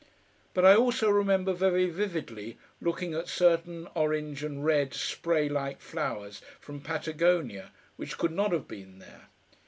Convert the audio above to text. But I also remember very vividly looking at certain orange and red spray like flowers from Patagonia, which could not have been there.